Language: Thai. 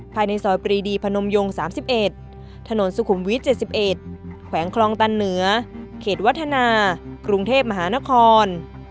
ภายในสอยปรีดีพะนมโยง๓๑ถนนสุขุมวิตทร์๗๑แขวงคลองตำเนื้อเครดวัสดินาธรรมกรุงเทพมหานคร